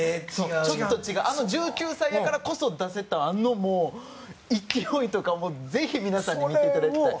あの１９歳やからこそ出せたあの勢いとかをぜひ、皆さんに見ていただきたい。